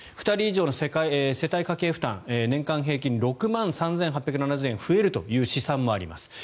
２人以上の世帯家計負担年間平均６万３８７０円増えるという試算もあります。